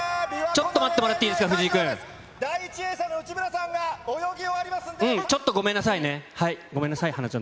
ちょっと待ってもらっていいですか、第１泳者の内村さんが泳ぎ終ちょっとごめんなさいね。